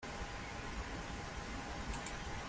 Please shut the door.